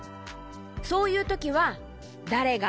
そういうときは「だれが」